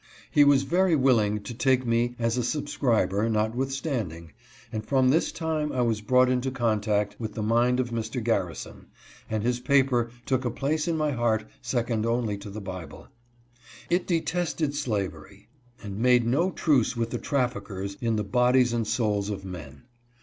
He was very willing to take me as a sub scriber, notwithstanding, and from this time I was brought into contact with the mind of Mr. Garrison, and his paper took a place in my heart second only to the Bible. It de tested slavery and made no truce with the traffickers in the bodies and souls of men.